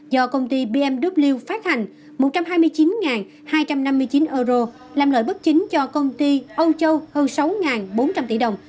do công ty bmw phát hành một trăm hai mươi chín hai trăm năm mươi chín euro làm lợi bất chính cho công ty âu châu hơn sáu bốn trăm linh tỷ đồng